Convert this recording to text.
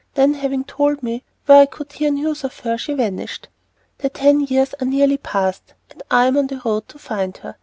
Then having told me where I could hear news of her, she vanished. The ten years are nearly passed, and I am on the road to find her.